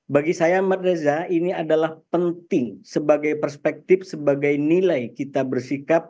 bagi saya mbak reza ini adalah penting sebagai perspektif sebagai nilai kita bersikap